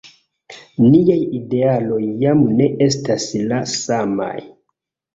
Niaj idealoj jam ne estas la samaj.